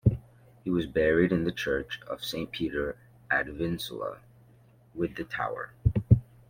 He was buried in the church of Saint Peter ad Vincula, within the Tower.